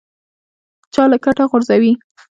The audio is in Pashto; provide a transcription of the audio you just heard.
چا له کټه غورځوي.